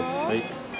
はい。